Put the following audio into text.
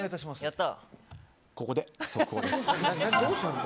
ここで速報です。